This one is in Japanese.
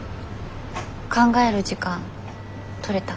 考える時間とれた？